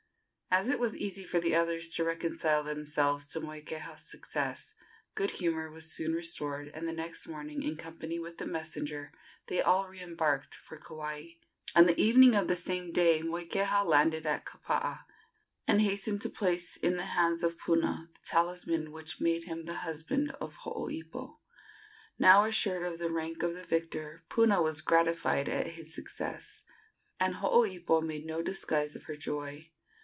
As it was easy for the others to reconcile themselves to Moikeha's success, good humor was soon restored, and the next morning, in company with the messenger, they all re embarked for Kauai. On the evening of the same day Moikeha landed at Kapaa, and hastened to place in the hands of Puna the talisman which made him the husband of Hooipo. Now assured of the rank of the victor, Puna was gratified at his success, and Hooipo made no disguise of her joy.